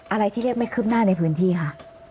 อะไรที่เรียกไม่คืบหน้าในพื้นที่คะ